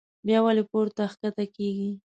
بيا ولې پورته کښته کيږي